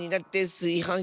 すいはん